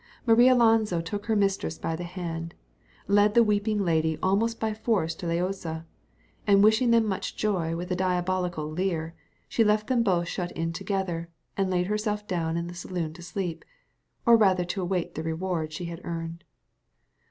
Marialonso took her mistress by the hand, led the weeping lady almost by force to Loaysa, and wishing them much joy with a diabolical leer, she left them both shut in together, and laid herself down in the saloon to sleep, or rather to await the reward she had earned.